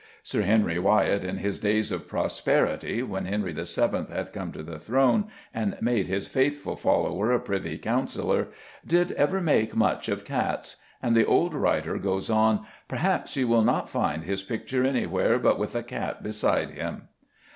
Sir Henry Wyatt in his days of prosperity, when Henry VII. had come to the throne and made his faithful follower a Privy Councillor, "did ever make much of cats" and, the old writer goes on, "perhaps you will not find his picture anywhere but with a cat beside him."